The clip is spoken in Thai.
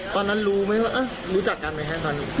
ตอนนั้นรู้ไหมว่ารู้จักกันไหมฮะตอนนี้